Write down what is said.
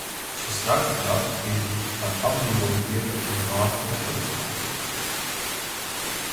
Šis raksts ir par apdzīvotu vietu Zvārtavas pagastā.